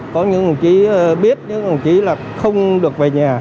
có những đồng chí biết những đồng chí là không được về nhà